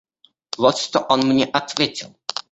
Вот что он мне ответил.